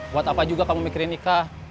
buat apa juga kamu mikirin nikah